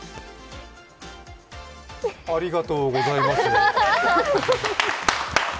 ありがとうございます。